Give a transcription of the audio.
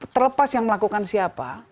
terlepas yang melakukan siapa